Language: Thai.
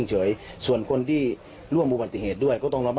จุดเกิดพูดถกหน้า